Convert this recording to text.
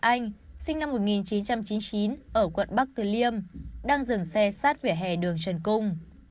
anh nguyễn việt anh sinh năm một nghìn chín trăm chín mươi chín ở quận bắc tử liêm đang dừng xe sát vỉa hè đường trần cung